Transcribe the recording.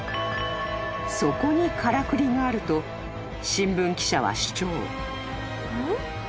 ［そこにからくりがあると新聞記者は主張］